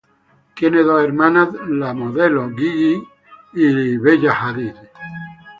Tiene dos hermanas, las modelos Gigi Hadid y Bella Hadid.